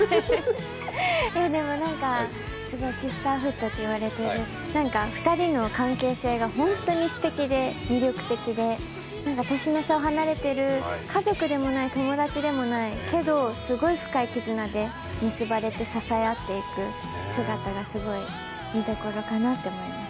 でも、シスターフッドと言われていて、２人の関係性が魅力的で、年の差が離れている、家族でもない、友達でもない、けど、すごい深い絆で結ばれて支え合っていく姿がすごい見どころかなと思います。